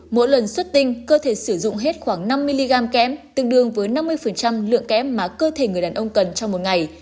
mỗi lần xuất tinh cơ thể sử dụng hết khoảng năm mg kém tương đương với năm mươi lượng kém mà cơ thể người đàn ông cần trong một ngày